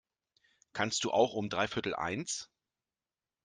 Kannst du auch um dreiviertel eins?